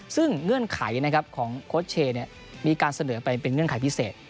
ซึ่งเงื่อนไขของโค้ชเชย์มีการเสนอไปเป็นเงื่อนไขพิเศษ